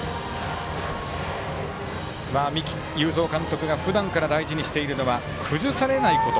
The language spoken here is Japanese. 三木有造監督がふだんから大事にしているのは崩されないこと。